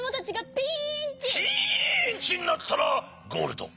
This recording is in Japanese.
ピンチになったらゴールド！